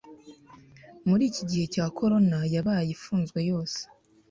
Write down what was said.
muri ikigihe cya korona yabaye ifunzwe yose